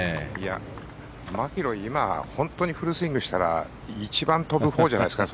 マキロイ、今本当にフルスイングしたら一番飛ぶほうじゃないですか。